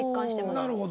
なるほど！